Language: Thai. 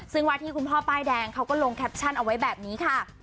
ซึ่งวาที่คุณพ่อป้ายแดงเขาก็ลงแคปชั่นเอาไว้แบบนี้ค่ะ